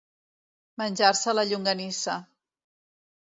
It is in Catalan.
Menjar-se la llonganissa.